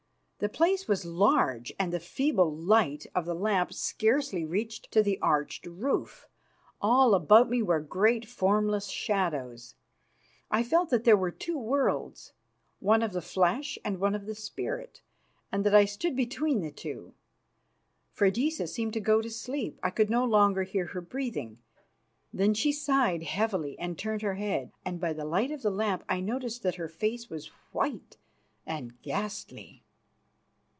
The place was large, and the feeble light of the lamp scarcely reached to the arched roof; all about me were great formless shadows. I felt that there were two worlds, one of the flesh and one of the spirit, and that I stood between the two. Freydisa seemed to go to sleep; I could no longer hear her breathing. Then she sighed heavily and turned her head, and by the light of the lamp I noted that her face was white and ghastly.